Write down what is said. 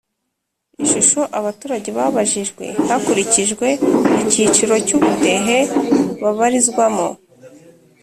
ishusho abaturage babajijwe hakurikijwe icyiciro cy ubudehe babarizwamo